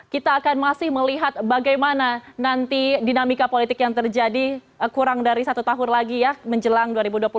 kita akan masih melihat bagaimana nanti dinamika politik yang terjadi kurang dari satu tahun lagi ya menjelang dua ribu dua puluh empat